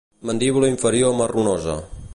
Mandíbula inferior marronosa.